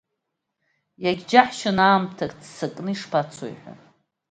Иагьааџьаҳшьон аамҭа ццакны ишԥацои ҳәа.